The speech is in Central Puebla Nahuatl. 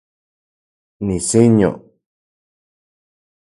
Nisiño